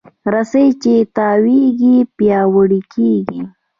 رسۍ چې تاوېږي، پیاوړې کېږي.